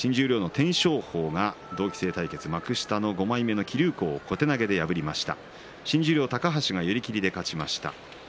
新十両の天照鵬は同期生対決幕下５枚目木竜皇を小手投げで破りました。